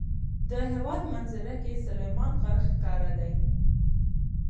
د هېواد منظره کې سلیمان غر ښکاره دی.